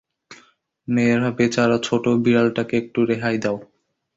মেয়েরা, বেচারা ছোট বিড়ালটাকে একটু রেহাই দাও।